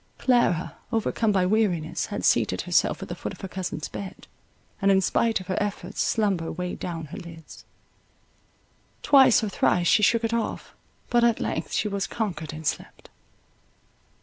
Clara, overcome by weariness, had seated herself at the foot of her cousin's bed, and in spite of her efforts slumber weighed down her lids; twice or thrice she shook it off; but at length she was conquered and slept.